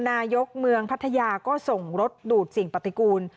นายกเมืองพัทยาก็ส่งรถดูดสิ่งปฏิกูล